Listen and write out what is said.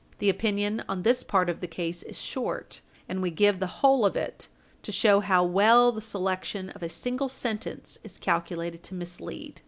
The opinion on this part of the case is short, and we give the whole of it to show how well the selection of a single sentence is calculated to mislead.